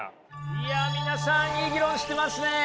いや皆さんいい議論してますね！